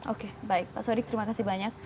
oke baik pak sodik terima kasih banyak